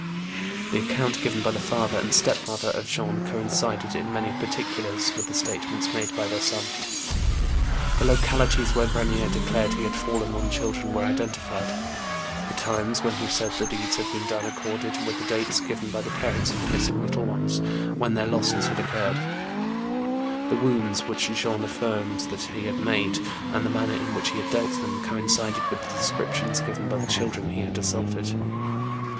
The account given by the fiEither and stepmother of JEAN 6BENIEB. 95 Jean coincided in many particulars with the statements made by their son. The localities where Grenier declared he had fallen on children were identified, the times when he said the deeds had been done accorded with the dates given by the parents of the missing little ones, when their losses had occurred. The wounds which Jean afiGjrmed that he had made, and the manner in which he had dealt them, coincided with the descriptions given by the children he had assaulted.